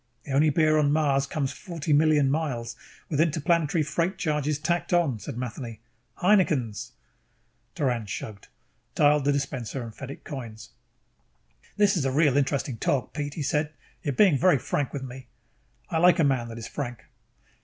"The only beer on Mars comes forty million miles, with interplanetary freight charges tacked on," said Matheny. "Heineken's!" Doran shrugged, dialed the dispenser and fed it coins. "This is a real interesting talk, Pete," he said. "You are being very frank with me. I like a man that is frank."